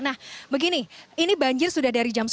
nah begini ini banjir sudah dari jam sepuluh